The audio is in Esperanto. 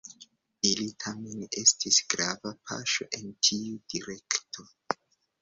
Ili tamen estis grava paŝo en tiu direkto.